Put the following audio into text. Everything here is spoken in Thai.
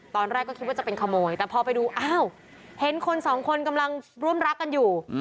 ตอนแรกก็คิดว่าจะเป็นขโมยแต่พอไปดูอ้าวเห็นคนสองคนกำลังร่วมรักกันอยู่